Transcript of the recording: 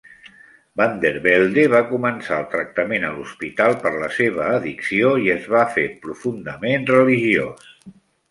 Van der Velde va començar el tractament a l'hospital per la seva addicció i es va fer profundament religiós.